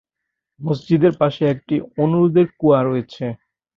মসজিদের পাশে একটি "অনুরোধের কুয়া" রয়েছে।